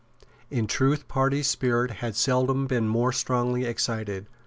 In truth party spirit had seldom been more strongly excited.